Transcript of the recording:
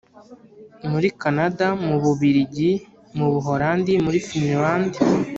muri Canada, mu Bubirigi, mu Buholandi, muri Finland